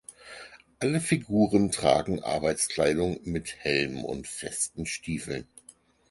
Alle Figuren tragen Arbeitskleidung mit Helm und festen Stiefeln.